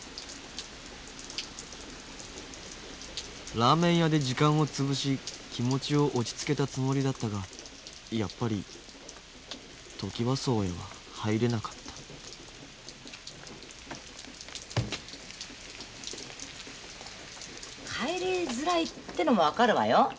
ラーメン屋で時間を潰し気持ちを落ち着けたつもりだったがやっぱりトキワ荘へは入れなかった帰りづらいってのも分かるわよ。